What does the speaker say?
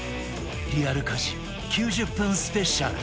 リアル家事９０分スペシャル